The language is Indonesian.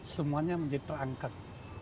semuanya menjadi terangkat